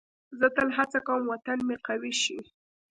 زه تل هڅه کوم وطن مې قوي شي.